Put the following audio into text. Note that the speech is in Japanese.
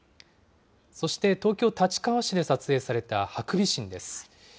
そして、東京・立川市で撮影されたハクビシンです。